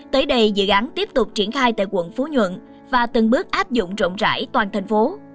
tới đây dự án tiếp tục triển khai tại quận phú nhuận và từng bước áp dụng rộng rãi toàn thành phố